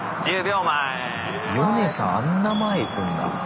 ヨネさんあんな前行くんだ。